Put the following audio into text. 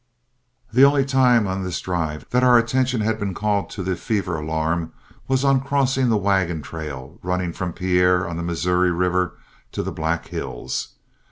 The only time on this drive that our attention had been called to the fever alarm was on crossing the wagon trail running from Pierre on the Missouri River to the Black Hills.